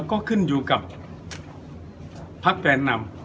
ก็ขึ้นอยู่กับพักแกนนำ